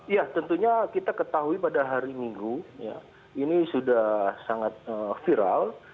ya tentunya kita ketahui pada hari minggu ini sudah sangat viral